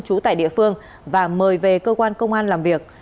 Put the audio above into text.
trú tại địa phương và mời về cơ quan công an làm việc